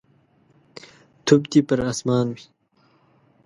توف دي پر اسمان وي.